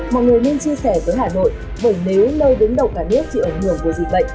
mọi người nên chia sẻ với hà nội bởi nếu nơi đứng đầu cả nước chịu ảnh hưởng của dịch bệnh